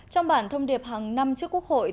trong bản thông điệp hàng năm trước quốc hội